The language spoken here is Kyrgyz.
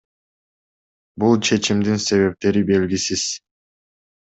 Бул чечимдин себептери белгисиз.